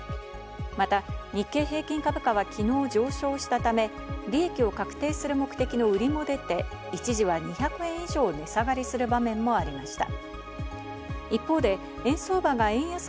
また日経平均株価は昨日、上昇したため、利益を確定する目的の売りも出て、一時は２００円以上値下がりする場面もありました。